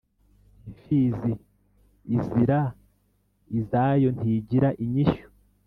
Impfizi izira izayontigira inyishyu.